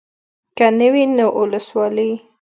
که نه وي نو اولسوالي.